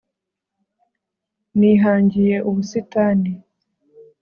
nihangiye ubusitani